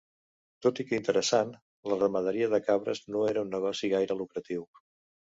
Tot i que interessant, la ramaderia de cabres no era un negoci gaire lucratiu.